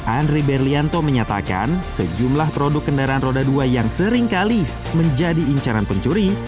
andri berlianto menyatakan sejumlah produk kendaraan roda dua yang seringkali menjadi incaran pencuri